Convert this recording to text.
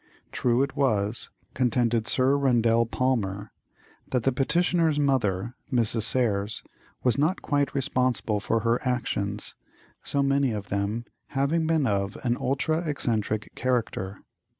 True it was, contended Sir Roundell Palmer, that the petitioner's mother, Mrs. Serres, was not quite responsible for her actions, so many of them having been of an ultra eccentric character.